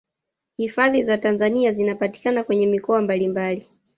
hifadhi za tanzania zinapatikana kwenye mikoa mbalimbali